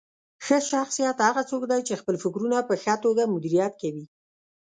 ښه شخصیت هغه څوک دی چې خپل فکرونه په ښه توګه مدیریت کوي.